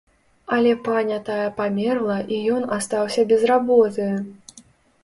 Але паня тая памерла, і ён астаўся без работы.